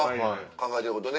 考えてることね。